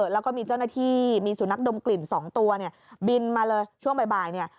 แล้วก็มีเจ้าหน้าที่มีสู่นักดมกลิ่น๒ตัวบินมาเลยช่วงบ่าย